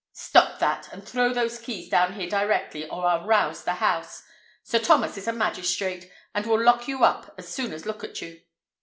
"Stop that, and throw those keys down here directly, or I'll rouse the house. Sir Thomas is a magistrate, and will lock you up as soon as look at you."